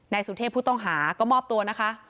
สุเทพผู้ต้องหาก็มอบตัวนะคะ